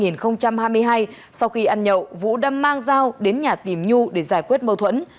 năm một nghìn chín trăm hai mươi hai sau khi ăn nhậu vũ đâm mang dao đến nhà tìm nhu để giải quyết mâu thuẫn